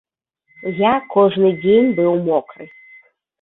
Я кожны дзень быў мокры.